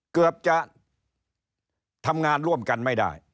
เกือบจะทำงานร่วมกันไม่ได้